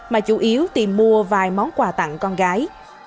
mà chủ yếu tìm mua vài món quà tặng con gái